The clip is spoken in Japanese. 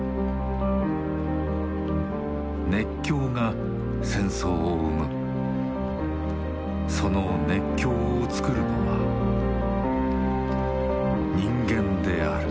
熱狂が戦争を生むその熱狂をつくるのは人間である。